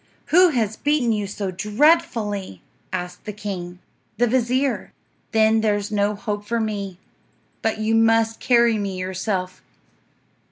"Who has beaten you so dreadfully?" asked the king. "The vizir." "Then there's no hope for me. But you must carry me yourself."